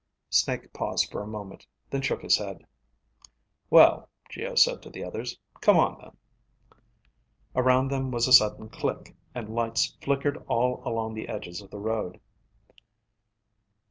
Snake paused for a moment, then shook his head. "Well," Geo said to the others, "come on then." Around them was a sudden click, and lights flickered all along the edges of the road.